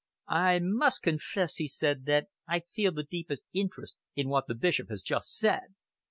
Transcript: "I must confess," he said, "that I feel the deepest interest in what the Bishop has just said.